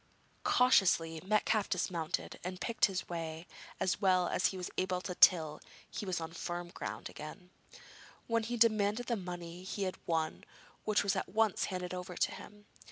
Cautiously Metcalfe dismounted and picked his way as well as he was able till he was on firm ground again, when he demanded the money he had won, which was at once handed over to him.